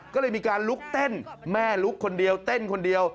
ก็เลยมีการลุกเต้นแม่ลุกคนเดียวเต้นคนเดียว